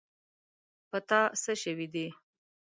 په تا څه شوي دي.